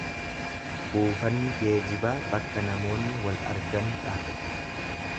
Buufanni geejibaa bakka namoonni wal argan dha.